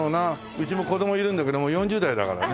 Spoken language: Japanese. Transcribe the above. うちも子どもいるんだけどもう４０代だからね。